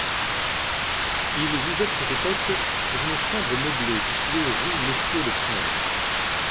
Il vivait à cette époque dans une chambre meublée située rue Monsieur-le-Prince.